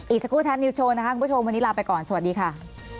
อีกสักครู่แท็นิวสโชว์นะคะคุณผู้ชมวันนี้ลาไปก่อนสวัสดีค่ะ